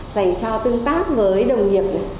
dành cho tương tác với đồng nghiệp này